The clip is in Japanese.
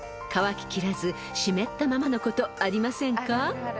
［乾ききらず湿ったままのことありませんか？］